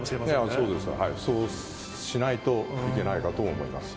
そうです、そうしないといけないかとも思います。